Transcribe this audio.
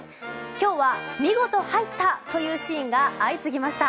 今日は見事入ったというシーンが相次ぎました。